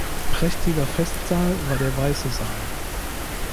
Prächtiger Festsaal war der "Weiße Saal".